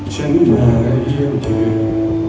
ฉันมาเหยียบหนึ่ง